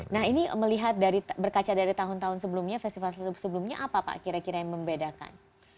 nah ini melihat dari berkaca dari tahun tahun sebelumnya festival sebelumnya apa pak kira kira yang membedakan